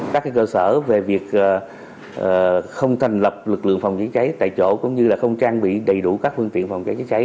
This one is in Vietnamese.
các cơ sở về việc không thành lập lực lượng phòng cháy cháy tại chỗ cũng như không trang bị đầy đủ các phương tiện phòng cháy chữa cháy